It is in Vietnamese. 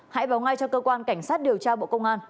hãy báo ngay cho cơ quan cảnh sát điều tra bộ công an